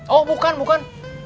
oh bukan bukan